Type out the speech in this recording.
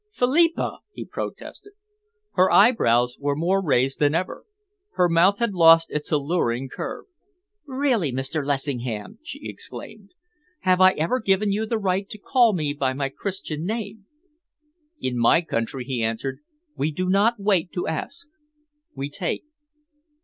"Philippa!" he protested. Her eyebrows were more raised than ever. Her mouth had lost its alluring curve. "Really, Mr. Lessingham!" she exclaimed. "Have I ever given you the right to call me by my Christian name?" "In my country," he answered, "we do not wait to ask. We take."